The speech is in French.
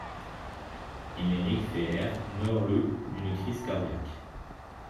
Émeric Feher meurt le d'une crise cardiaque.